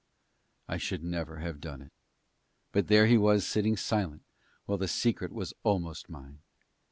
I should never have done it; but there he was sitting silent while the secret was almost mine.